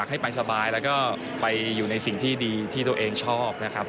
ให้ไปสบายแล้วก็ไปอยู่ในสิ่งที่ดีที่ตัวเองชอบนะครับ